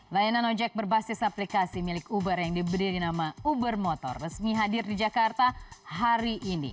layanan ojek berbasis aplikasi milik uber yang diberi nama uber motor resmi hadir di jakarta hari ini